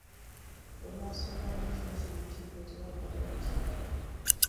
Olwasuulamu ekinusu mu kibbo teyaddayo kukiraba.